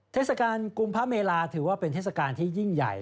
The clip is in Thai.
เทศกาลกุมพระเมลาถือว่าเป็นเทศกาลที่ยิ่งใหญ่